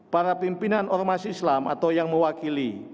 para pimpinan ormas islam atau yang mewakili